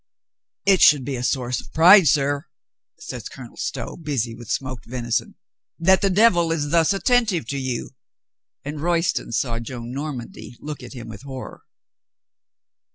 "It should be a source of pride, sir," says Colonel Stow, busy with smoked venison, "that the devil is thus attentive to you." And Royston saw Joan Nor mandy look at him with horror.